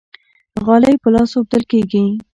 غالۍ په لاس اوبدل کیږي.